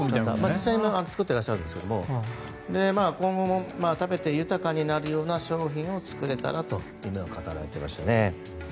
実際作ってらっしゃるんですけど今後も食べて豊かになるような商品を作れたらと夢を語られていましたね。